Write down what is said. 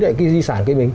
cái dân sản của mình